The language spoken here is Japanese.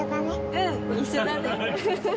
うん、一緒だね。